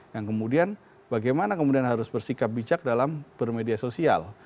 yang kemudian bagaimana kemudian harus bersikap bijak dalam bermedia sosial